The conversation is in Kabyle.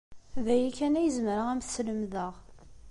D aya kan ay zemreɣ ad am-t-slemdeɣ.